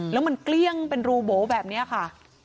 แล้วมันเกลี้ยงเป็นรูโบแบบนี้ค่ะ